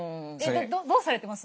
どうされてます？